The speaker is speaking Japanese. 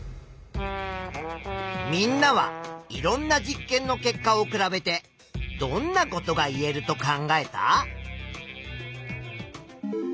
みんなはいろんな実験の結果を比べてどんなことが言えると考えた？